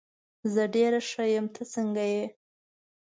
زه ډېر ښه یم، ته څنګه یې؟